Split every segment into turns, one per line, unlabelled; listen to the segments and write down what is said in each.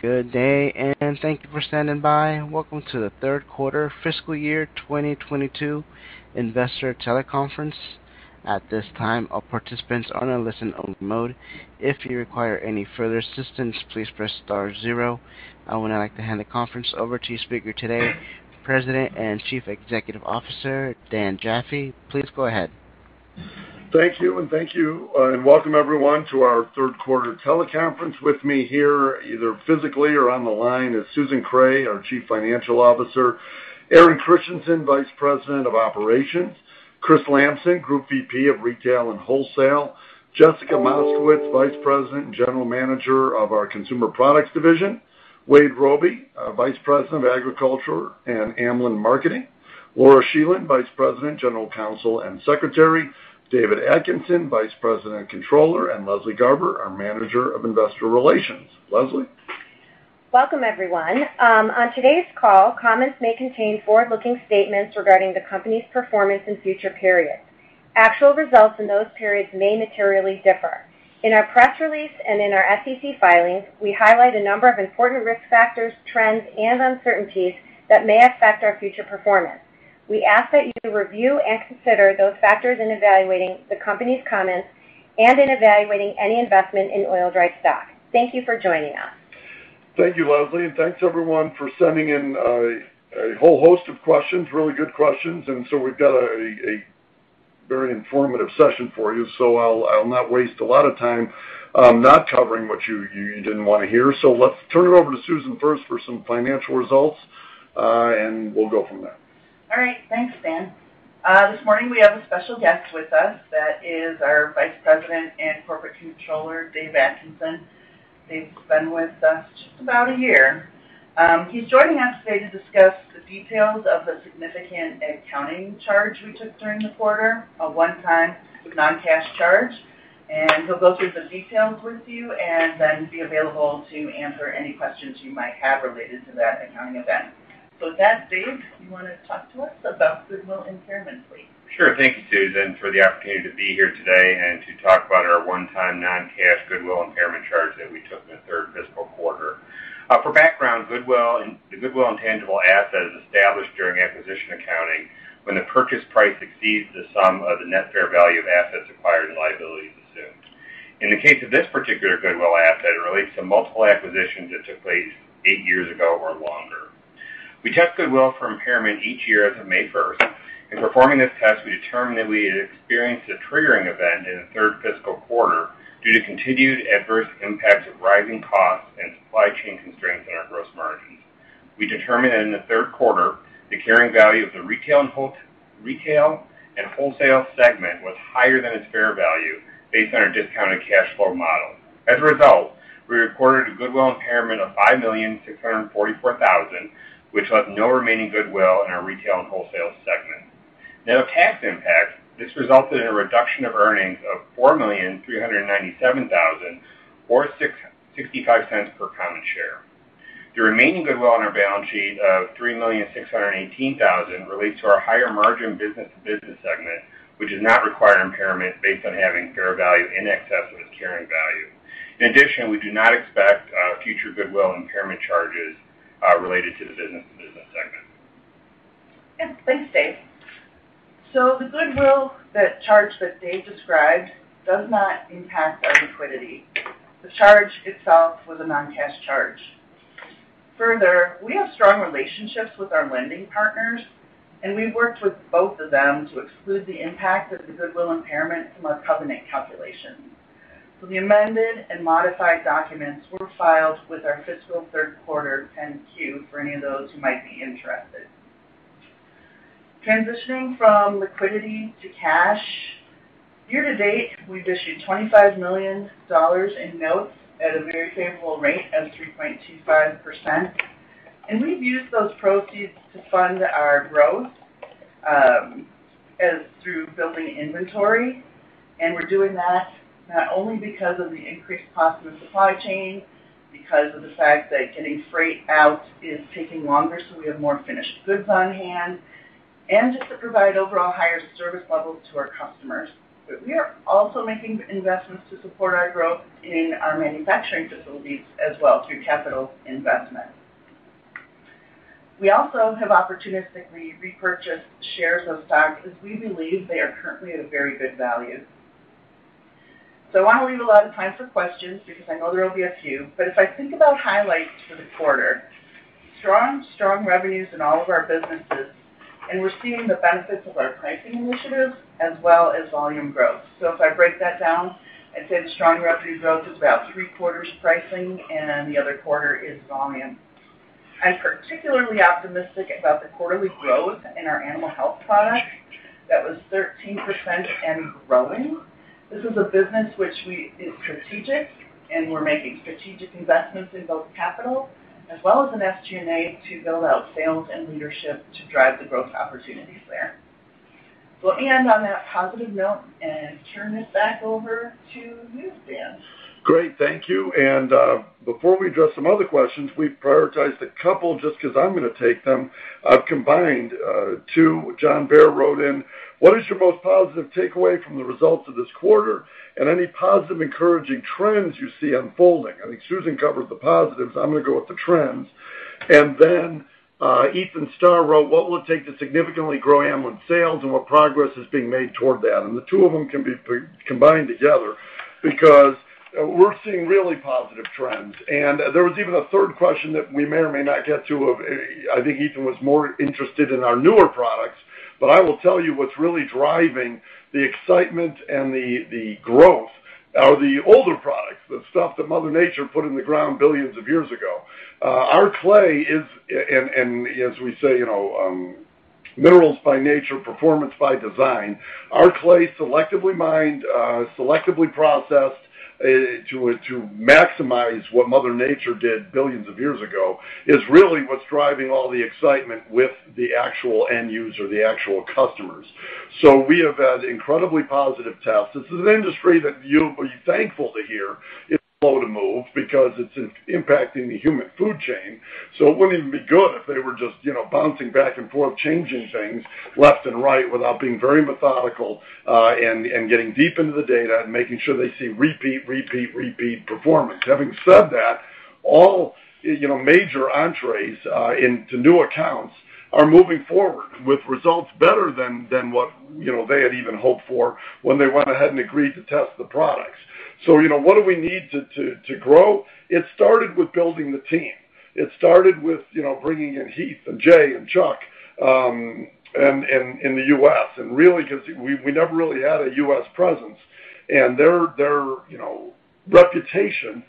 Good day, and thank you for standing by. Welcome to the third quarter fiscal year 2022 investor teleconference. At this time, all participants are in a listen-only mode. If you require any further assistance, please press star zero. I would now like to hand the conference over to your speaker today, President and Chief Executive Officer, Dan Jaffe. Please go ahead.
Thank you. Thank you and welcome everyone to our third quarter teleconference. With me here, either physically or on the line, is Susan Kreh, our Chief Financial Officer. Aaron Christiansen, Vice President of Operations. Chris Lamson, Group VP of Retail and Wholesale. Jessica Moskowitz, Vice President and General Manager of our Consumer Products Division. Wade Robey, our Vice President of Agriculture and Amlan Marketing. Laura Schelin, Vice President, General Counsel, and Secretary. David Atkinson, Vice President and Controller, and Leslie Garber, our Manager of Investor Relations. Leslie.
Welcome, everyone. On today's call, comments may contain forward-looking statements regarding the company's performance in future periods. Actual results in those periods may materially differ. In our press release and in our SEC filings, we highlight a number of important risk factors, trends, and uncertainties that may affect our future performance. We ask that you review and consider those factors in evaluating the company's comments and in evaluating any investment in Oil-Dri stock. Thank you for joining us.
Thank you, Leslie. Thanks everyone for sending in a whole host of questions, really good questions. We've got a very informative session for you, so I'll not waste a lot of time, not covering what you didn't want to hear. Let's turn it over to Susan first for some financial results, and we'll go from there.
All right. Thanks, Dan. This morning, we have a special guest with us that is our Vice President and Corporate Controller, Dave Atkinson. Dave's been with us just about a year. He's joining us today to discuss the details of a significant accounting charge we took during the quarter, a one-time non-cash charge. He'll go through the details with you and then be available to answer any questions you might have related to that accounting event. With that, Dave, you want to talk to us about goodwill impairment, please?
Sure. Thank you, Susan, for the opportunity to be here today and to talk about our one-time non-cash goodwill impairment charge that we took in the third fiscal quarter. For background, goodwill intangible asset is established during acquisition accounting when the purchase price exceeds the sum of the net fair value of assets acquired and liabilities assumed. In the case of this particular goodwill asset, it relates to multiple acquisitions that took place eight years ago or longer. We test goodwill for impairment each year as of May first. In performing this test, we determined that we had experienced a triggering event in the third fiscal quarter due to continued adverse impacts of rising costs and supply chain constraints in our gross margins. We determined that in the third quarter, the carrying value of the retail and wholesale segment was higher than its fair value based on our discounted cash flow model. As a result, we recorded a goodwill impairment of $5,644,000, which left no remaining goodwill in our retail and wholesale segment. Now, the tax impact, this resulted in a reduction of earnings of $4,397,000 or sixty-five cents per common share. The remaining goodwill on our balance sheet of $3,618,000 relates to our higher margin business-to-business segment, which does not require impairment based on having fair value in excess of its carrying value. In addition, we do not expect future goodwill impairment charges related to the business-to-business segment.
Yeah. Thanks, Dave. The goodwill, that charge that Dave described does not impact our liquidity. The charge itself was a non-cash charge. Further, we have strong relationships with our lending partners, and we worked with both of them to exclude the impact of the goodwill impairment from our covenant calculations. The amended and modified documents were filed with our fiscal third quarter 10-Q for any of those who might be interested. Transitioning from liquidity to cash. Year to date, we've issued $25 million in notes at a very favorable rate of 3.25%. We've used those proceeds to fund our growth, and through building inventory. We're doing that not only because of the increased cost of the supply chain, because of the fact that getting freight out is taking longer, so we have more finished goods on hand, and just to provide overall higher service levels to our customers. We are also making investments to support our growth in our manufacturing facilities as well through capital investment. We also have opportunistically repurchased shares of stock as we believe they are currently at a very good value. I want to leave a lot of time for questions because I know there will be a few. If I think about highlights for the quarter, strong revenues in all of our businesses, and we're seeing the benefits of our pricing initiatives as well as volume growth. If I break that down, I'd say the strong revenue growth is about three-quarters pricing and the other quarter is volume. I'm particularly optimistic about the quarterly growth in our animal health product that was 13% and growing. This is a business which is strategic, and we're making strategic investments in both capital as well as in SG&A to build out sales and leadership to drive the growth opportunities there. We'll end on that positive note and turn this back over to you, Dan.
Great. Thank you. Before we address some other questions, we've prioritized a couple just 'cause I'm gonna take them. I've combined two. John Baer wrote in, "What is your most positive takeaway from the results of this quarter and any positive, encouraging trends you see unfolding?" I think Susan covered the positives. I'm gonna go with the trends. Ethan Starr wrote, "What will it take to significantly grow Amlan sales and what progress is being made toward that?" The two of them can be combined together because we're seeing really positive trends. There was even a third question that we may or may not get to. I think Ethan was more interested in our newer products, but I will tell you what's really driving the excitement and the growth are the older products, the stuff that Mother Nature put in the ground billions of years ago. Our clay is and as we say, you know, minerals by nature, performance by design, our clay selectively mined, selectively processed, to maximize what Mother Nature did billions of years ago, is really what's driving all the excitement with the actual end user, the actual customers. We have had incredibly positive tests. This is an industry that you'll be thankful to hear it's slow to move because it's impacting the human food chain. It wouldn't even be good if they were just, you know, bouncing back and forth, changing things left and right without being very methodical, and getting deep into the data and making sure they see repeat performance. Having said that, all, you know, major entries into new accounts are moving forward with results better than what, you know, they had even hoped for when they went ahead and agreed to test the products. You know, what do we need to grow? It started with building the team. It started with, you know, bringing in Heath and Jay and Chuck, and in the U.S., and really because we never really had a U.S. presence. Their reputation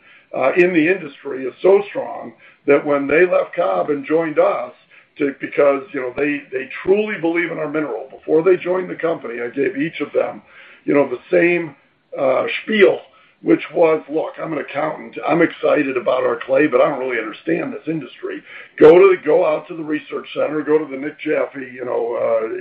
in the industry is so strong that when they left Cobb and joined us because they truly believe in our mineral. Before they joined the company, I gave each of them you know, the same spiel, which was, "Look, I'm an accountant. I'm excited about our clay, but I don't really understand this industry. Go out to the research center, go to the Dan Jaffee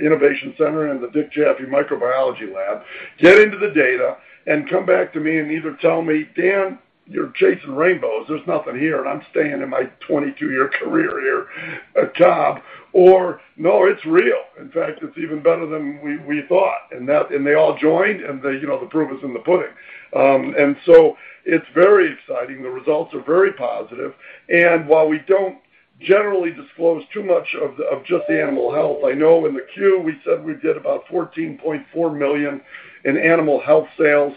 Innovation Center and the Dan Jaffee Microbiology Lab, get into the data and come back to me and either tell me, Dan, you're chasing rainbows. There's nothing here, and I'm staying in my 22-year career here at Cobb, or No, it's real. In fact, it's even better than we thought." They all joined, and you know, the proof is in the pudding. It's very exciting. The results are very positive. While we don't generally disclose too much of just the animal health, I know in the Q we said we did about $14.4 million in animal health sales.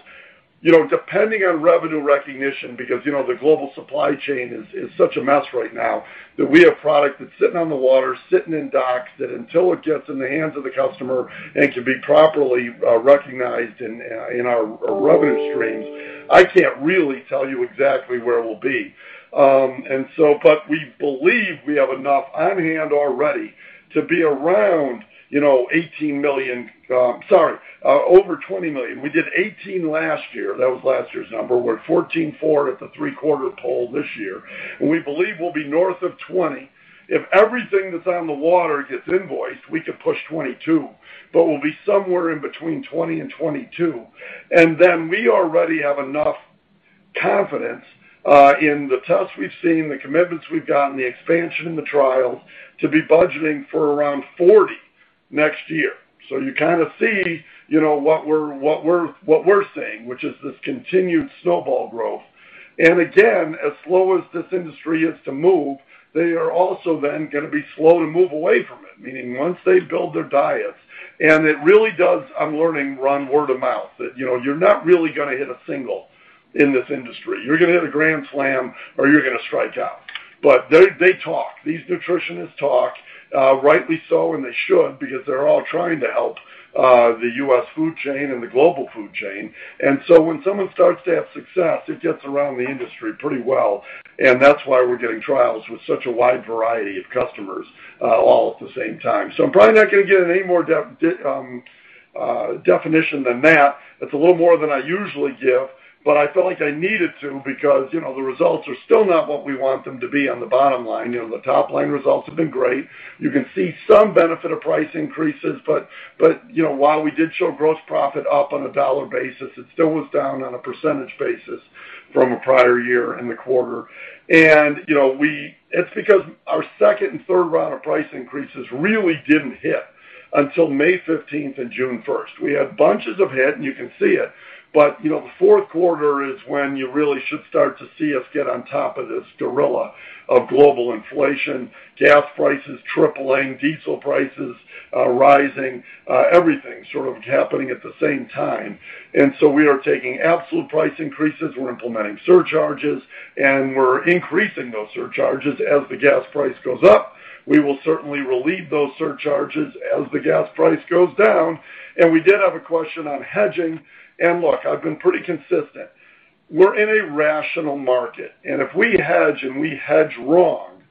You know, depending on revenue recognition, because, you know, the global supply chain is such a mess right now, that we have product that's sitting on the water, sitting in docks, that until it gets in the hands of the customer and can be properly recognized in our revenue streams, I can't really tell you exactly where we'll be. We believe we have enough on hand already to be around, you know, $18 million, sorry, over $20 million. We did $18 million last year. That was last year's number. We're at 14.4 at the three-quarter point this year, and we believe we'll be north of 20. If everything that's on the water gets invoiced, we could push 22, but we'll be somewhere in between 20 - 22. We already have enough confidence in the tests we've seen, the commitments we've gotten, the expansion in the trials to be budgeting for around 40 next year. You kind of see, you know, what we're seeing, which is this continued snowball growth. Again, as slow as this industry is to move, they are also then gonna be slow to move away from it, meaning once they build their diets, and it really does, I'm learning, Ron, word of mouth that, you know, you're not really gonna hit a single in this industry. You're gonna hit a grand slam or you're gonna strike out. They talk. These nutritionists talk, rightly so, and they should because they're all trying to help, the U.S. food chain and the global food chain. When someone starts to have success, it gets around the industry pretty well, and that's why we're getting trials with such a wide variety of customers, all at the same time. I'm probably not gonna get any more definition than that. It's a little more than I usually give, but I felt like I needed to because, you know, the results are still not what we want them to be on the bottom line. You know, the top line results have been great. You can see some benefit of price increases, but, you know, while we did show gross profit up on a dollar basis, it still was down on a percentage basis from a prior year in the quarter. You know, it's because our second and third round of price increases really didn't hit until May fifteenth and June first. We had bunches of headwinds, and you can see it, but, you know, the fourth quarter is when you really should start to see us get on top of this gorilla of global inflation, gas prices tripling, diesel prices rising, everything sort of happening at the same time. We are taking absolute price increases, we're implementing surcharges, and we're increasing those surcharges as the gas price goes up. We will certainly relieve those surcharges as the gas price goes down. We did have a question on hedging. Look, I've been pretty consistent. We're in a rational market. If we hedge and we hedge wrong,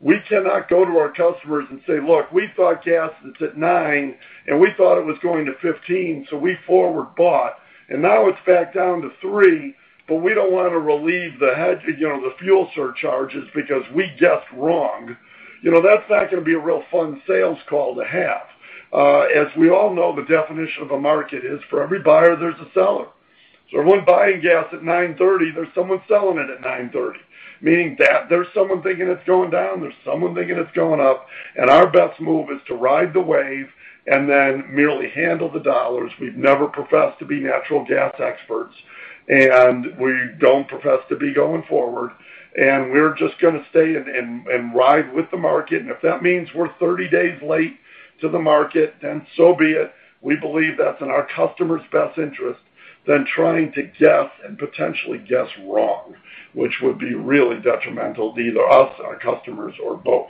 we cannot go to our customers and say, "Look, we thought gas was at $9, and we thought it was going to $15, so we forward bought, and now it's back down to $3, but we don't wanna relieve the hedge, you know, the fuel surcharges because we guessed wrong." You know, that's not gonna be a real fun sales call to have. As we all know, the definition of a market is for every buyer, there's a seller. Everyone buying gas at $9.30, there's someone selling it at $9.30, meaning that there's someone thinking it's going down, there's someone thinking it's going up, and our best move is to ride the wave and then merely handle the dollars. We've never professed to be natural gas experts. We don't profess to be going forward, and we're just gonna stay and ride with the market. If that means we're 30 days late to the market, then so be it. We believe that's in our customer's best interest than trying to guess and potentially guess wrong, which would be really detrimental to either us or our customers or both.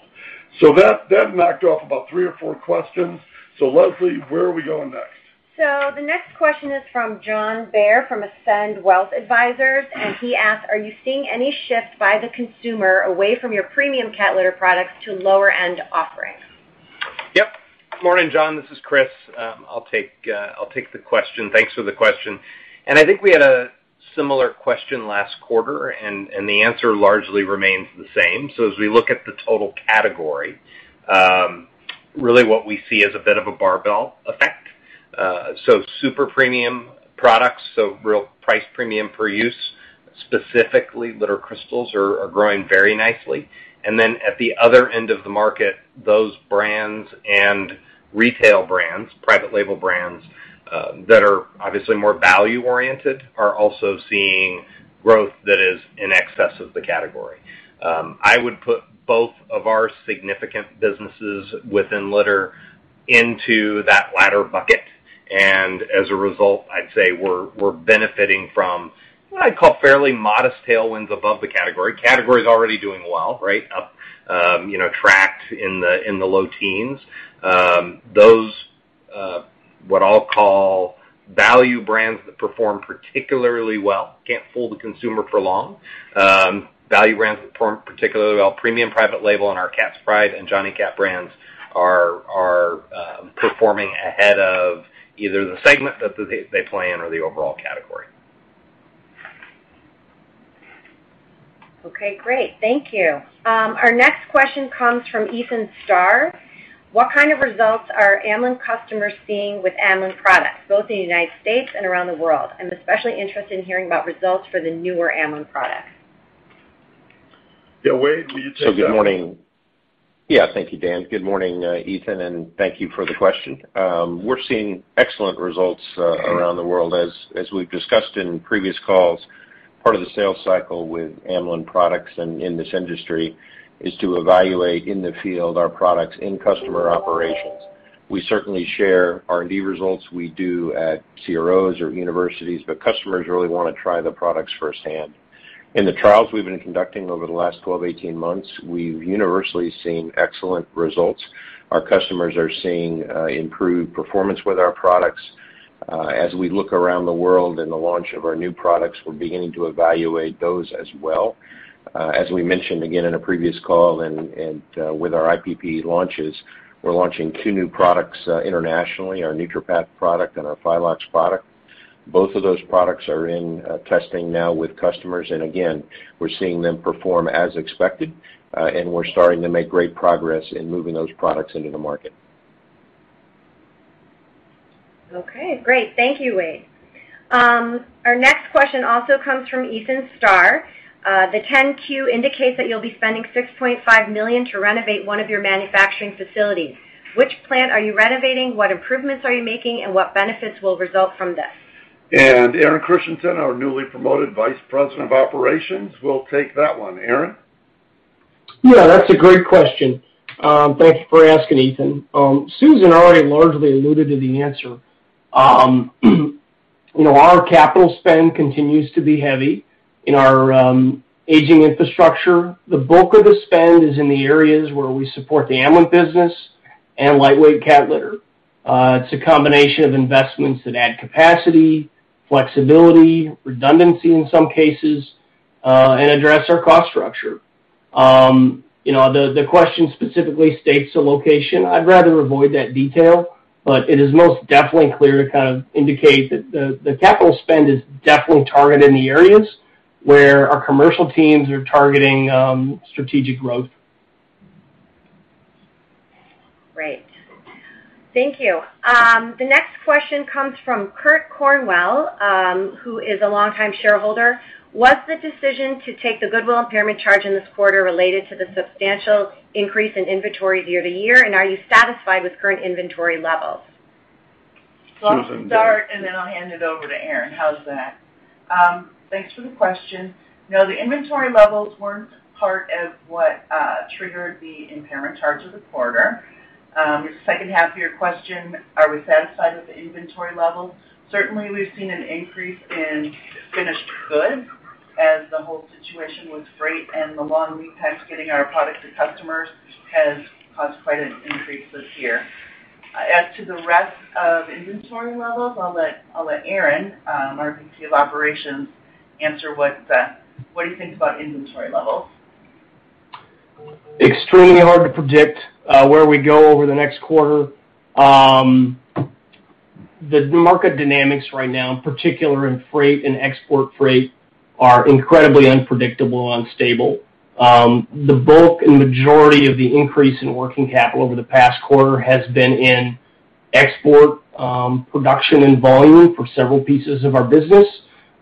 That knocked off about 3 or 4 questions. Leslie, where are we going next?
The next question is from John Baer from Ascend Wealth Advisors, and he asks, "Are you seeing any shift by the consumer away from your premium cat litter products to lower-end offerings?
Yep. Morning, John. This is Chris. I'll take the question. Thanks for the question. I think we had a similar question last quarter, and the answer largely remains the same. As we look at the total category, really what we see is a bit of a barbell effect. Super premium products, real price premium per use, specifically litter crystals are growing very nicely. At the other end of the market, those brands and retail brands, private label brands, that are obviously more value-oriented, are also seeing growth that is in excess of the category. I would put both of our significant businesses within litter into that latter bucket. As a result, I'd say we're benefiting from what I'd call fairly modest tailwinds above the category. Category is already doing well, right up, you know, tracked in the low teens. Those, what I'll call value brands that perform particularly well can't fool the consumer for long. Value brands that perform particularly well, premium private label and our Cat's Pride and Jonny Cat brands are performing ahead of either the segment that they play in or the overall category.
Okay, great. Thank you. Our next question comes from Ethan Starr: What kind of results are Amlan customers seeing with Amlan products, both in the United States and around the world? I'm especially interested in hearing about results for the newer Amlan products.
Yeah, Wade, will you take that?
Good morning. Yeah, thank you, Dan. Good morning, Ethan, and thank you for the question. We're seeing excellent results around the world. As we've discussed in previous calls, part of the sales cycle with Amlan products in this industry is to evaluate in the field our products in customer operations. We certainly share R&D results we do at CROs or universities, but customers really wanna try the products firsthand. In the trials we've been conducting over the last 12-18 months, we've universally seen excellent results. Our customers are seeing improved performance with our products. As we look around the world in the launch of our new products, we're beginning to evaluate those as well. As we mentioned again in a previous call and with our IPPE launches, we're launching two new products internationally, our NeutraPath product and our Phylox product. Both of those products are in testing now with customers, and again, we're seeing them perform as expected, and we're starting to make great progress in moving those products into the market.
Okay, great. Thank you, Wade. Our next question also comes from Ethan Starr. The 10-Q indicates that you'll be spending $6.5 million to renovate one of your manufacturing facilities. Which plant are you renovating, what improvements are you making, and what benefits will result from this?
Aaron Christiansen, our newly promoted Vice President of Operations, will take that one. Aaron?
Yeah, that's a great question. Thank you for asking, Ethan. Susan already largely alluded to the answer. You know, our capital spend continues to be heavy in our aging infrastructure. The bulk of the spend is in the areas where we support the Amlan business and lightweight cat litter. It's a combination of investments that add capacity, flexibility, redundancy in some cases, and address our cost structure. You know, the question specifically states the location. I'd rather avoid that detail, but it is most definitely clear to kind of indicate that the capital spend is definitely targeted in the areas where our commercial teams are targeting strategic growth.
Great. Thank you. The next question comes from Kurt Cornwell, who is a longtime shareholder. Was the decision to take the goodwill impairment charge in this quarter related to the substantial increase in inventory year to year, and are you satisfied with current inventory levels?
Susan.
I'll start, and then I'll hand it over to Aaron. How's that? Thanks for the question. No, the inventory levels weren't part of what triggered the impairment charge of the quarter. The second half of your question, are we satisfied with the inventory level? Certainly, we've seen an increase in finished goods as the whole situation with freight and the long lead times getting our product to customers has caused quite an increase this year. As to the rest of inventory levels, I'll let Aaron, our VP of Operations, answer what he thinks about inventory levels.
Extremely hard to predict where we go over the next quarter. The market dynamics right now, in particular in freight and export freight, are incredibly unpredictable and unstable. The bulk and majority of the increase in working capital over the past quarter has been in export production and volume for several pieces of our business,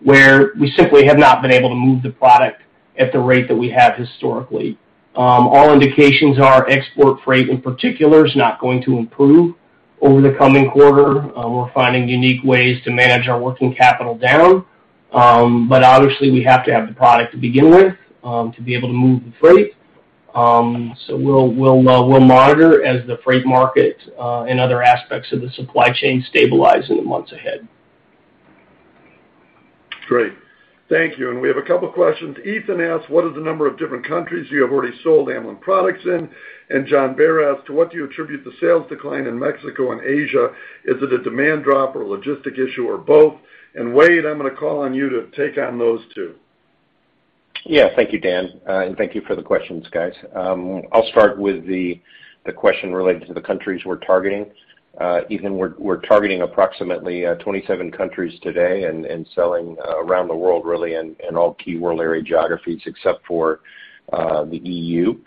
where we simply have not been able to move the product at the rate that we have historically. All indications are export freight in particular is not going to improve.
Over the coming quarter, we're finding unique ways to manage our working capital down. Obviously, we have to have the product to begin with, to be able to move the freight. We'll monitor as the freight market and other aspects of the supply chain stabilize in the months ahead.
Great. Thank you. We have a couple questions. Ethan asked, "What is the number of different countries you have already sold Amlan products in?" John Baer asked, "To what do you attribute the sales decline in Mexico and Asia? Is it a demand drop or logistics issue or both?" Wade, I'm gonna call on you to take on those two.
Yeah. Thank you, Dan. Thank you for the questions, guys. I'll start with the question related to the countries we're targeting. Ethan, we're targeting approximately 27 countries today and selling around the world really in all key world area geographies, except for the EU.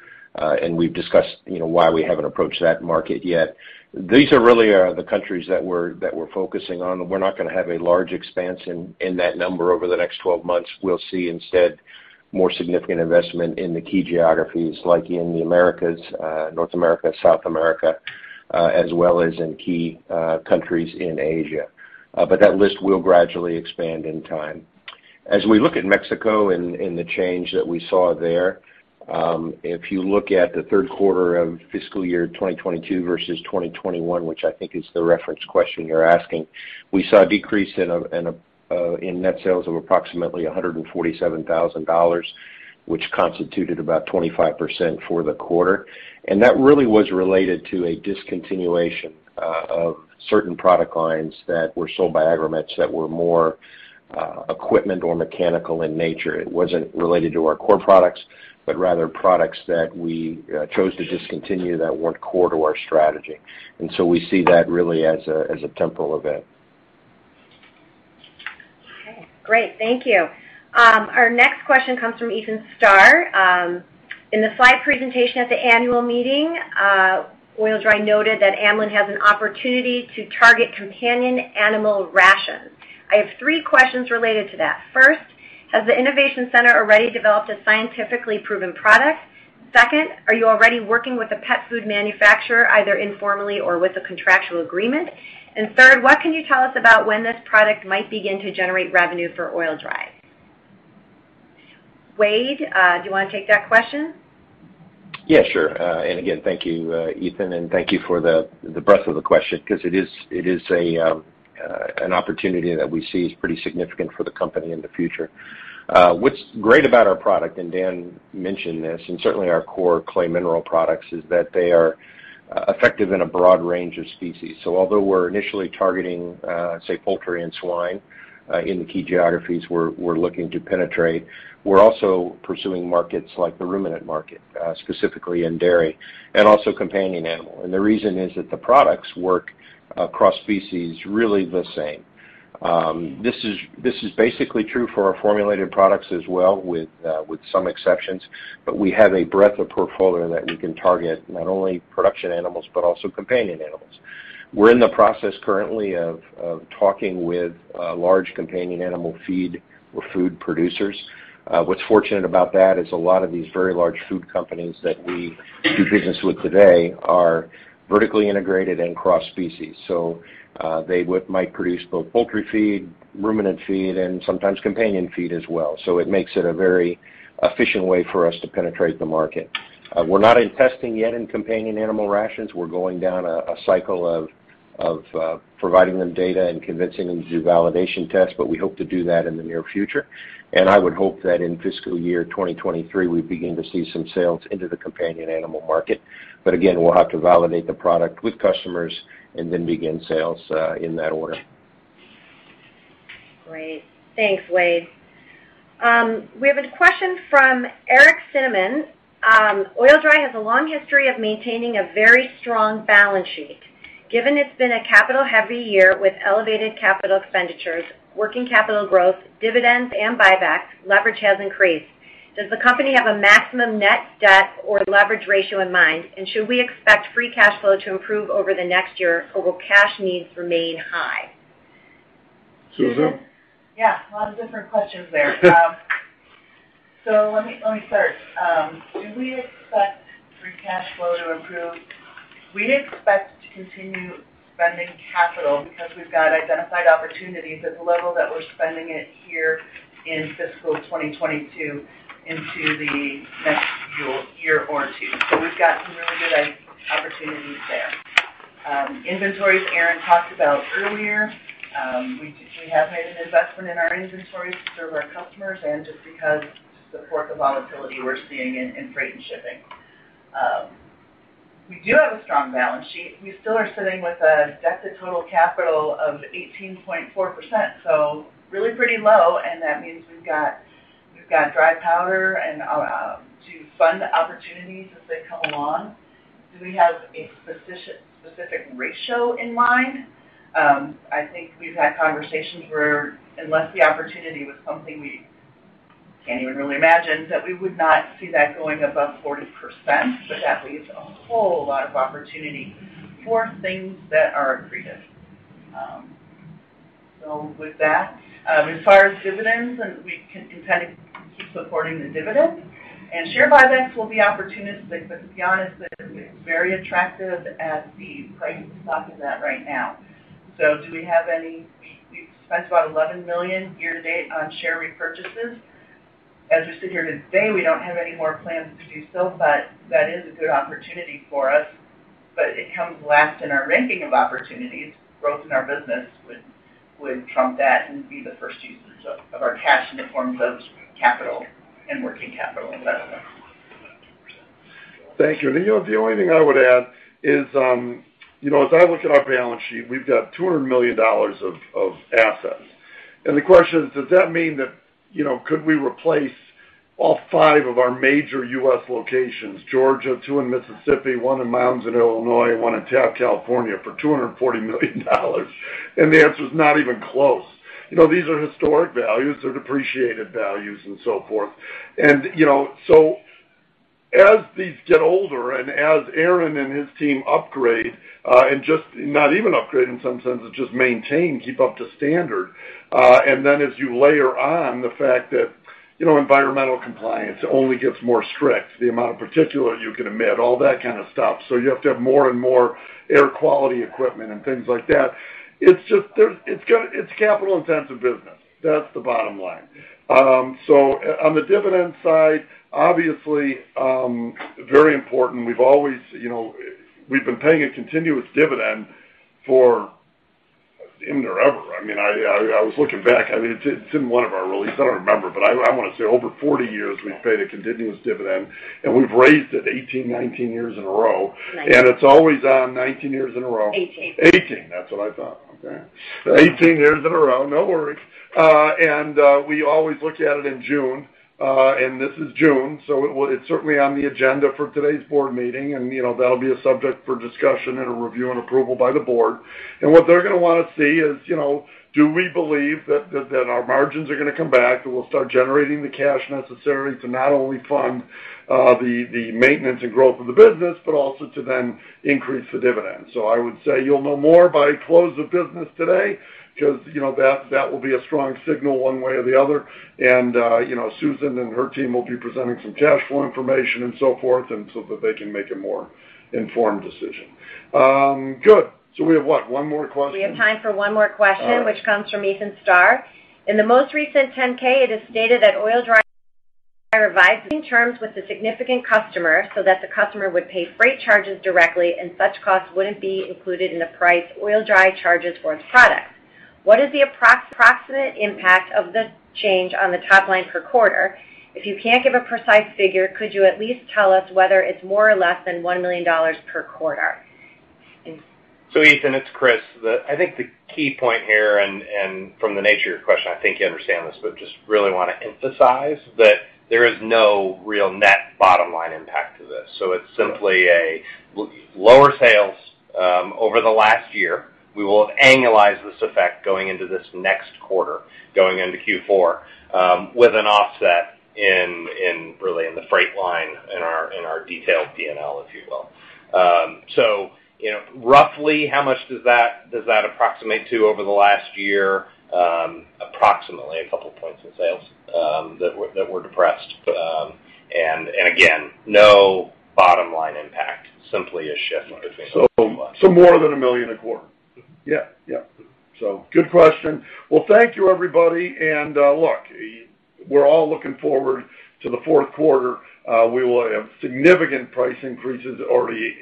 We've discussed, you know, why we haven't approached that market yet. These are really the countries that we're focusing on. We're not gonna have a large expansion in that number over the next 12 months. We'll see instead more significant investment in the key geographies like in the Americas, North America, South America, as well as in key countries in Asia. That list will gradually expand in time. As we look at Mexico and the change that we saw there, if you look at the third quarter of fiscal year 2022 versus 2021, which I think is the reference question you're asking, we saw a decrease in net sales of approximately $147,000, which constituted about 25% for the quarter. That really was related to a discontinuation of certain product lines that were sold by Agro-Metz that were more equipment or mechanical in nature. It wasn't related to our core products, but rather products that we chose to discontinue that weren't core to our strategy. We see that really as a temporal event.
Okay, great. Thank you. Our next question comes from Ethan Starr. In the slide presentation at the annual meeting, Oil-Dri noted that Amlan has an opportunity to target companion animal rations. I have three questions related to that. First, has the innovation center already developed a scientifically proven product? Second, are you already working with a pet food manufacturer, either informally or with a contractual agreement? And third, what can you tell us about when this product might begin to generate revenue for Oil-Dri? Wade, do you wanna take that question?
Yeah, sure. Again, thank you, Ethan, and thank you for the breadth of the question 'cause it is an opportunity that we see is pretty significant for the company in the future. What's great about our product, and Dan mentioned this, and certainly our core clay mineral products, is that they are effective in a broad range of species. Although we're initially targeting, say, poultry and swine, in the key geographies we're looking to penetrate, we're also pursuing markets like the ruminant market, specifically in dairy and also companion animal. The reason is that the products work across species really the same. This is basically true for our formulated products as well with some exceptions. We have a breadth of portfolio that we can target not only production animals, but also companion animals. We're in the process currently of talking with large companion animal feed or food producers. What's fortunate about that is a lot of these very large food companies that we do business with today are vertically integrated and cross-species. They might produce both poultry feed, ruminant feed, and sometimes companion feed as well. It makes it a very efficient way for us to penetrate the market. We're not in testing yet in companion animal rations. We're going down a cycle of providing them data and convincing them to do validation tests, but we hope to do that in the near future. I would hope that in fiscal year 2023, we begin to see some sales into the companion animal market. Again, we'll have to validate the product with customers and then begin sales in that order.
Great. Thanks, Wade. We have a question from Eric Cinnamond. Oil-Dri has a long history of maintaining a very strong balance sheet. Given it's been a capital-heavy year with elevated capital expenditures, working capital growth, dividends, and buybacks, leverage has increased. Does the company have a maximum net debt or leverage ratio in mind? And should we expect free cash flow to improve over the next year, or will cash needs remain high?
Susan?
Yeah. A lot of different questions there. Let me start. Do we expect free cash flow to improve? We expect to continue spending capital because we've got identified opportunities at the level that we're spending it here in fiscal 2022 into the next fiscal year or two. We've got some really good opportunities there. Inventories, Aaron talked about earlier. We have made an investment in our inventories to serve our customers just because the port volatility we're seeing in freight and shipping. We do have a strong balance sheet. We still are sitting with a debt to total capital of 18.4%, so really pretty low, and that means we've got dry powder to fund the opportunities as they come along. Do we have a specific ratio in mind? I think we've had conversations where unless the opportunity was something we can't even really imagine, that we would not see that going above 40%. That leaves a whole lot of opportunity for things that are. With that, as far as dividends, and we intend to keep supporting the dividend. Share buybacks will be opportunistic, but to be honest, it's very attractive at the price the stock is at right now. Do we have any? We spent about $11 million year-to-date on share repurchases. As we sit here today, we don't have any more plans to do so, but that is a good opportunity for us, but it comes last in our ranking of opportunities. Growth in our business would trump that and be the first user so of our cash in the forms of capital and working capital investments.
Thank you. You know, the only thing I would add is, you know, as I look at our balance sheet, we've got $200 million of assets. The question is, does that mean that, you know, could we replace all 5 of our major U.S. locations, Georgia, 2 in Mississippi, 1 in Mounds, Illinois, 1 in Taft, California, for $240 million? The answer is not even close. You know, these are historic values, they're depreciated values and so forth. You know, so as these get older, and as Aaron and his team upgrade, and just not even upgrade in some sense, it's just maintain, keep up to standard. As you layer on the fact that, you know, environmental compliance only gets more strict, the amount of particulate you can emit, all that kind of stuff. You have to have more and more air quality equipment and things like that. It's just it's capital-intensive business. That's the bottom line. On the dividend side, obviously, very important. We've always, you know, been paying a continuous dividend for what seems like forever. I mean, I was looking back, I mean, it's in one of our releases. I don't remember, but I wanna say over 40 years, we've paid a continuous dividend, and we've raised it 18, 19 years in a row.
Right.
It's always on 19 years in a row.
18.
18. That's what I thought. Okay. 18 years in a row. No worries. We always look at it in June, and this is June, so it's certainly on the agenda for today's board meeting. You know, that'll be a subject for discussion and a review and approval by the board. What they're gonna wanna see is, you know, do we believe that our margins are gonna come back, that we'll start generating the cash necessary to not only fund the maintenance and growth of the business, but also to then increase the dividend. I would say you'll know more by close of business today 'cause, you know, that will be a strong signal one way or the other. you know, Susan and her team will be presenting some cash flow information and so forth, and so that they can make a more informed decision. Good. We have what? One more question.
We have time for one more question, which comes from Ethan Starr. In the most recent 10-K, it is stated that Oil-Dri revised its terms with the significant customer so that the customer would pay freight charges directly and such costs wouldn't be included in the price Oil-Dri charges for its product. What is the approximate impact of this change on the top line per quarter? If you can't give a precise figure, could you at least tell us whether it's more or less than $1 million per quarter?
Ethan, it's Chris. I think the key point here and from the nature of your question, I think you understand this, but just really wanna emphasize that there is no real net bottom line impact to this. It's simply a lower sales over the last year. We will annualize this effect going into this next quarter, going into Q4, with an offset in really in the freight line in our detailed P&L, if you will. You know, roughly, how much does that approximate to over the last year? Approximately a couple points in sales that were depressed. And again, no bottom line impact, simply a shift between-
More than $1 million a quarter?
Yeah.
Yeah. Good question. Well, thank you, everybody. Look, we're all looking forward to the fourth quarter. We will have significant price increases already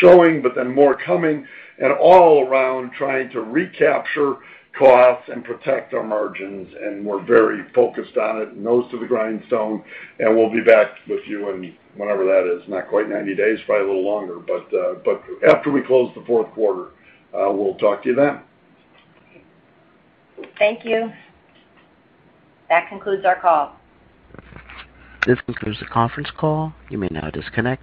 showing, but then more coming and all around trying to recapture costs and protect our margins, and we're very focused on it, nose to the grindstone. We'll be back with you in whenever that is. Not quite 90 days, probably a little longer. After we close the fourth quarter, we'll talk to you then.
Thank you. That concludes our call.
This concludes the conference call. You may now disconnect.